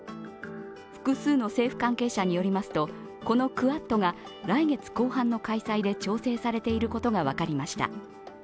複数の政府関係者によりますと、このクアッドが来月後半の開催で調整されていることが分かりました。